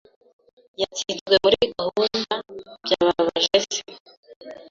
Yatsinzwe muri gahunda, byababaje se.